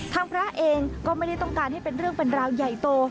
พระเองก็ไม่ได้ต้องการให้เป็นเรื่องเป็นราวใหญ่โต